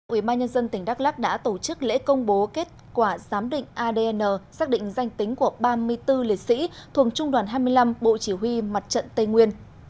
ubnd tỉnh đắk lắc đã tổ chức lễ công bố kết quả giám định adn xác định danh tính của ba mươi bốn liệt sĩ thuộc trung đoàn hai mươi năm bộ chỉ huy mặt trận tây nguyên